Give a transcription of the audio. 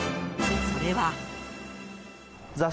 それは。